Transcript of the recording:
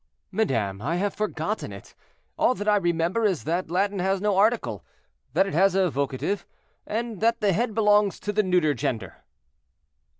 "Madame, I have forgotten it; all that I remember is that Latin has no article, that it has a vocative, and that the head belongs to the neuter gender."